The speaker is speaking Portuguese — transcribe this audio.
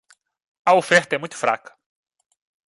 A oferta é muito fraca.